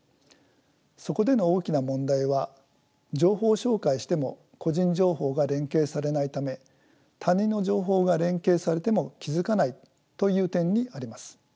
そこでの大きな問題は情報照会しても個人情報が連携されないため他人の情報が連携されても気付かないという点にあります。